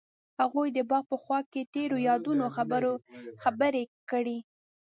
هغوی د باغ په خوا کې تیرو یادونو خبرې کړې.